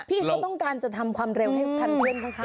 พี่เขาต้องการจะทำความเร็วให้ทันเพื่อนข้าง